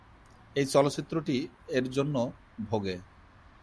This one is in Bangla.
এবং চলচ্চিত্রটি এর জন্য ভোগে।